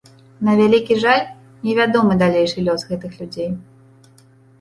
На вялікі жаль, невядомы далейшы лёс гэтых людзей.